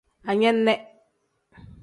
Anene.